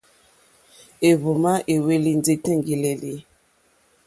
Éhwùmá éhwélì ndí tèŋɡí!lélí.